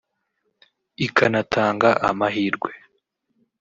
ikanatanga amahirwe